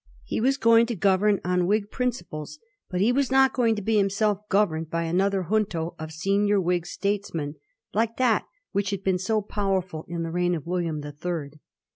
He was going to govern on Whig principles, but he was not going to be himself governed by another ' Junto ' of senior Whig states men, like that which had been so powerful in the reign of William the Third.